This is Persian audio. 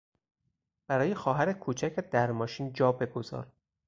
برای خواهر کوچکت در ماشین جا بگذار!